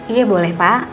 iya boleh pak